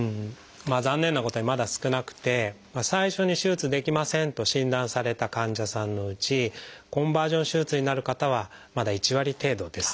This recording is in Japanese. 残念なことにまだ少なくて最初に手術できませんと診断された患者さんのうちコンバージョン手術になる方はまだ１割程度です。